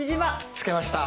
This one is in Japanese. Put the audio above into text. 着けました。